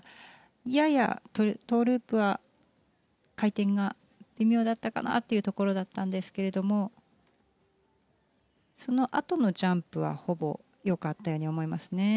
ややトウループは回転が微妙だったかなというところだったんですがそのあとのジャンプはほぼよかったように思いますね。